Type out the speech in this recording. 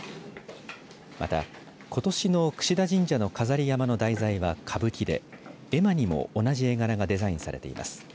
また、ことしの櫛田神社の飾り山の題材は歌舞伎で絵馬にも同じ絵柄がデザインされています。